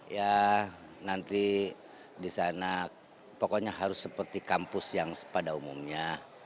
ya nanti di sana pokoknya harus seperti kampus yang pada umumnya